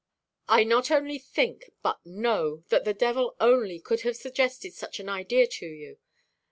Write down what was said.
"I not only think, but know, that the devil only could have suggested such an idea to you.